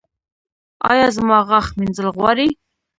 ایا زما غاښ مینځل غواړي؟